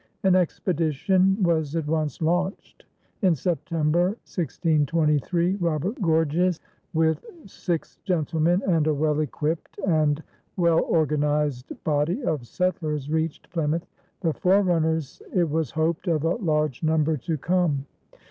An expedition was at once launched. In September, 1623, Robert Gorges with six gentlemen and a well equipped and well organized body of settlers reached Plymouth, the forerunners, it was hoped, of a large number to come.